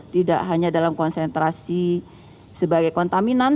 tidak hanya dalam konsentrasi sebagai kontaminan